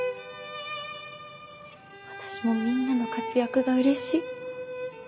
私もみんなの活躍が嬉しい。